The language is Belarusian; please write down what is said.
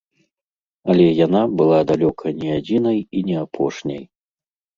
Але яна была далёка не адзінай і не апошняй.